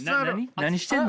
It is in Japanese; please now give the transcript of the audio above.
何してんの？